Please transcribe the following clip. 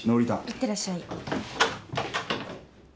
いってらっしゃい。